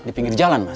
di pinggir jalan pak